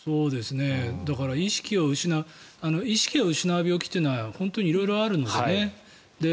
意識を失う意識を失う病気というのは本当に色々あるのでね。